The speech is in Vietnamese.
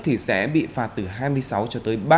thì sẽ bị phạt từ hai mươi sáu cho tới